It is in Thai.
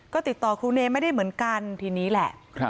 ก็ติดต่อครูเนไม่ได้เหมือนกันทีนี้แหละ